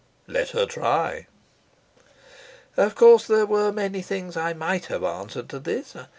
"Let her try." Of course there were many things I might have answered to this.